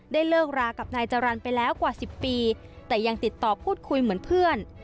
เลิกรากับนายจรรย์ไปแล้วกว่า๑๐ปีแต่ยังติดต่อพูดคุยเหมือนเพื่อน